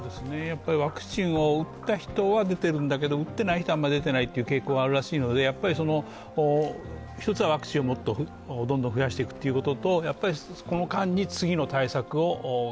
ワクチンを打った人は出ているんだけれども、打っていない人はあまり出ていないという傾向があるらしいので、一つはもっとどんどん増やしていくということ。